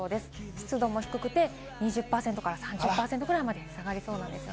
湿度も低くて、２０％から３０％くらいまで下がりそうです。